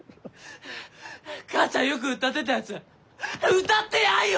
母ちゃんよく歌ってたやつ歌ってやんよ！